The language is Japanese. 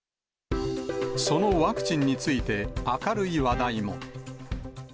そのワクチンについて、明るい話題も。